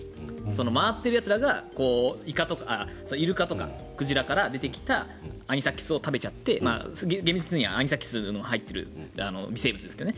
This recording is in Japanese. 回っているやつらがイルカとか鯨から出てきたアニサキスを食べちゃって、厳密にはアニサキスの入っている微生物ですけど。